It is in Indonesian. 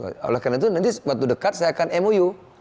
karena itu nanti waktu dekat saya akan mou